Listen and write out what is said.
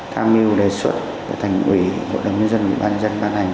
tham mưu đề xuất của thành ủy hội đồng nhân dân bản dân ban ngành